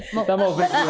kita mau break dulu